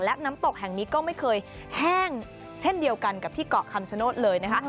และน้ำตกแห่งนี้ก็ไม่เคยแห้งเช่นเดียวกันกับที่เกาะคำชโนธเลยนะคะ